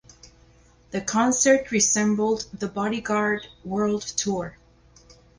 The concert resembled The Bodyguard World Tour.